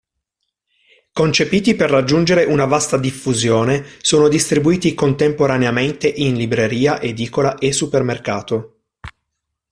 Concepiti per raggiungere una vasta diffusione, sono distribuiti contemporaneamente in libreria, edicola e supermercato.